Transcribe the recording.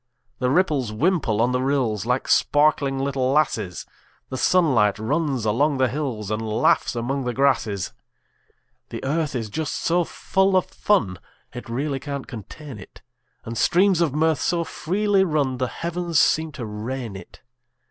The ripples wimple on the rills, Like sparkling little lasses; The sunlight runs along the hills, And laughs among the grasses. The earth is just so full of fun It really can't contain it; And streams of mirth so freely run The heavens seem to rain it.